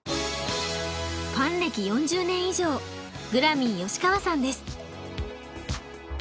ファン歴４０年以上グラミー吉川さんです。